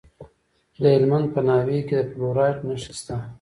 د هلمند په ناوې کې د فلورایټ نښې شته.